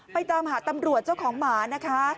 ตามหาตำรวจเจ้าของหมานะคะ